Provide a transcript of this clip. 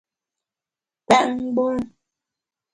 Pèt mgbom !